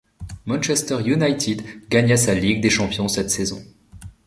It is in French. Manchester United gagna sa Ligue des champions cette saison.